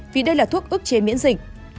vì đây là thuốc ước chế miễn dịch